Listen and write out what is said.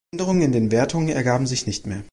Änderungen in den Wertungen ergaben sich nicht mehr.